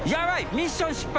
ミッション失敗。